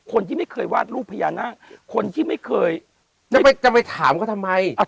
คนที่ไม่เคยวาดรูปพญานาคคนที่ไม่เคยจะไปถามเขาทำไม